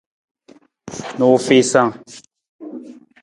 Nuufiisang.